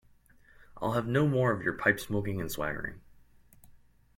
I'll have no more of your pipe-smoking and swaggering.